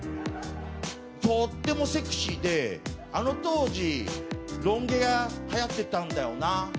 とってもセクシーで、あの当時、ロン毛がはやってたんだよな。